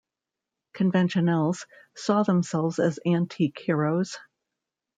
"Conventionels" saw themselves as antique heroes.